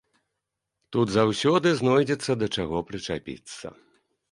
Тут заўсёды знойдзецца, да чаго прычапіцца.